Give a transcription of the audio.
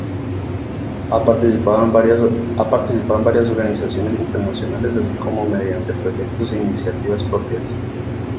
Ha participado en varias organizaciones internacionales así como mediante proyectos e iniciativas propias.